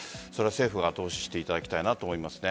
政府が後押ししていただきたいと思います。